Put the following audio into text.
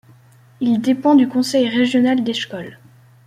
Il dépend du conseil régional d'Eshkol.